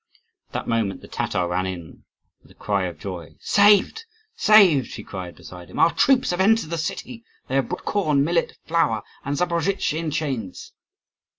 At that moment the Tatar ran in with a cry of joy. "Saved, saved!" she cried, beside herself. "Our troops have entered the city. They have brought corn, millet, flour, and Zaporozhtzi in chains!"